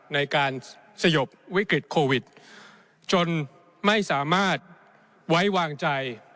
ในการสยบวิกฤตโควิดจนไม่สามารถไว้วางใจ